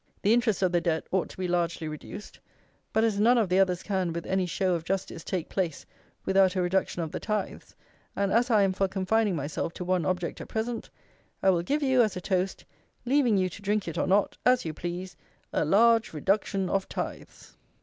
The interest of the debt ought to be largely reduced; but, as none of the others can, with any show of justice, take place, without a reduction of the tithes, and as I am for confining myself to one object at present, I will give you as a Toast, leaving you to drink it or not, as you please, A large Reduction of Tithes.